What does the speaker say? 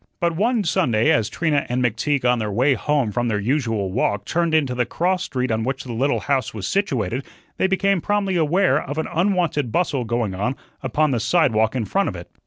But one Sunday as Trina and McTeague on their way home from their usual walk turned into the cross street on which the little house was situated, they became promptly aware of an unwonted bustle going on upon the sidewalk in front of it.